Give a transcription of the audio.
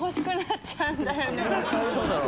そうだろ。